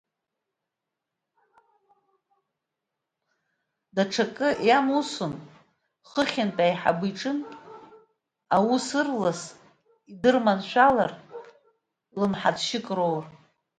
Даҽакы иамусын хыхьынтә, аиҳабы иҿынтә, аус ырлас идырманшәалартә, лымҳаҭшьык роур.